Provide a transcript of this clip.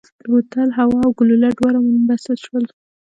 د بوتل هوا او ګلوله دواړه منبسط شول.